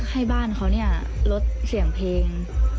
ให้บ้านเขาลดเสียงเพลง